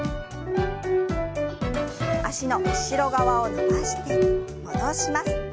脚の後ろ側を伸ばして戻します。